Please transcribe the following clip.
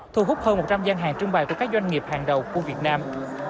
thu hút hơn một trăm linh gian hàng trưng bày của các doanh nghiệp hàng đầu của việt nam